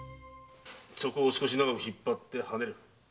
そこを少し長く引っ張ってはねる。